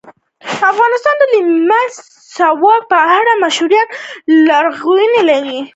افغانستان د لمریز ځواک په اړه مشهور او لرغوني پخواني تاریخی روایتونه لري.